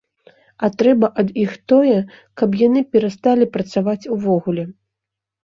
А трэба ад іх тое, каб яны перасталі працаваць увогуле.